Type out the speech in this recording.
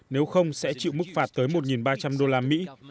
nếu không sẽ chịu mức phạt tới một ba trăm linh đô la mỹ